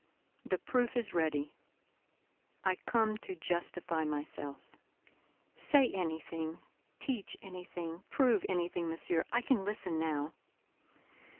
The proof is ready. I come to justify myself." "Say anything, teach anything, prove anything, Monsieur; I can listen now."